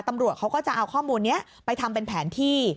ตำรวจเขาก็จะเอาข้อมูลนี้ไปทำเป็นแผนที่